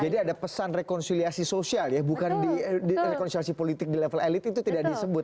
jadi ada pesan rekonsiliasi sosial ya bukan di rekonsiliasi politik di level elit itu tidak disebut